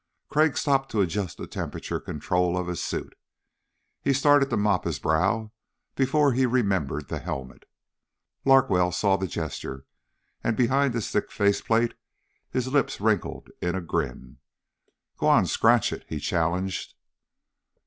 Crag stopped to adjust the temperature control on his suit. He started to mop his brow before he remembered the helmet. Larkwell saw the gesture, and behind his thick face plate his lips wrinkled in a grin. "Go on, scratch it," he challenged.